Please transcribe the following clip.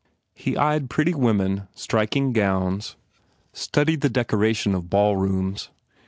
He eyed pretty women, striking gowns, studied the decoration of ball rooms.